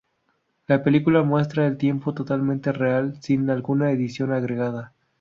La película muestra en tiempo totalmente real, sin alguna edición agregada.